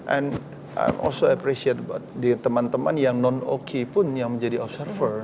and i also appreciate teman teman yang non oki pun yang menjadi observer